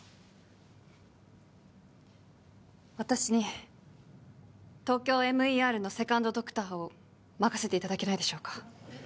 私にＴＯＫＹＯＭＥＲのセカンドドクターを任せていただけないでしょうか